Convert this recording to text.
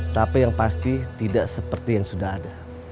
tapi yang pasti tidak seperti yang sudah ada